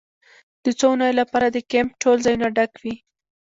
د څو اونیو لپاره د کیمپ ټول ځایونه ډک وي